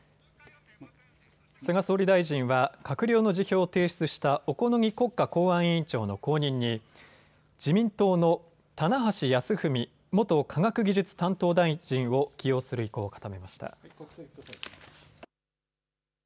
菅総理大臣は閣僚の辞表を提出した小此木国家公安委員長の後任に自民党の棚橋泰文元科学技術担当大臣を起用する意向を固めました。